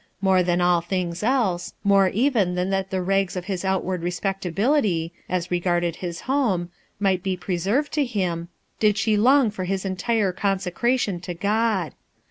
More than all things else, more even than that the nigs of hU outward respect ability— as regarded his home— mi ht be preserved to him, did she long for bis entire consecration to God.